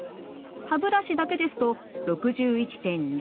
歯ブラシだけですと６１．２％。